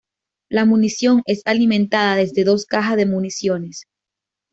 La munición es alimentada desde dos cajas de municiones.